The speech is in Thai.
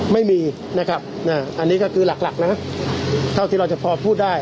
ไม่มีนะครับอันนี้ก็คือหลักนะเท่าที่เราจะพอพูดได้